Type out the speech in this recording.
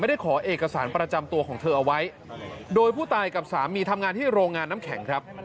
ได้ขอเอกสารประจำตัวของเธอเอาไว้โดยผู้ตายกับสามีทำงานที่โรงงานน้ำแข็งครับ